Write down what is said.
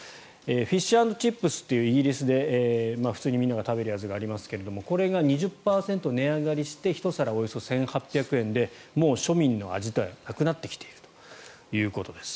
フィッシュ・アンド・チップスというイギリスで普通にみんなが食べるやつがありますがこれが２０％値上がりして１皿およそ１８００円でもう庶民の味ではなくなってきているということです。